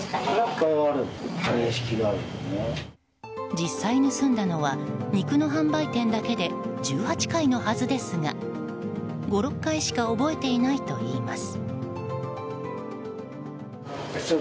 実際盗んだのは肉の販売店だけで１８回のはずですが５６回しか覚えていないといいます。